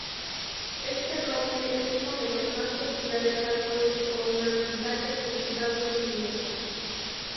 Este roble es uno de los más populares árboles ornamentales en Estados Unidos.